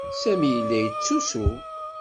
Sami yella yettusu.